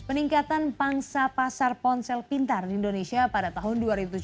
peningkatan pangsa pasar ponsel pintar di indonesia pada tahun dua ribu sembilan belas